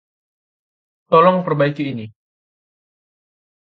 Tolong perbaiki ini.